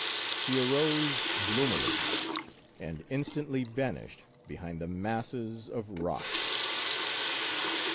" He arose gloomily, and instantly vanished behind the masses of rock.